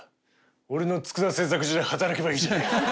俺の佃製作所で働けばいいじゃないか。